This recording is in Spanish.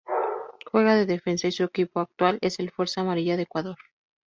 Juega de Defensa y su equipo actual es el Fuerza Amarilla de Ecuador.